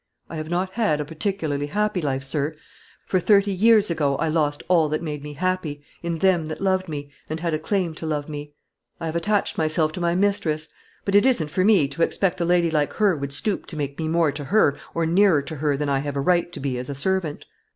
I have not had a particularly happy life, sir; for thirty years ago I lost all that made me happy, in them that loved me, and had a claim to love me. I have attached myself to my mistress; but it isn't for me to expect a lady like her would stoop to make me more to her or nearer to her than I have a right to be as a servant."